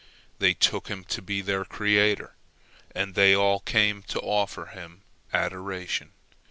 They took him to be their creator, and they all came to offer him adoration.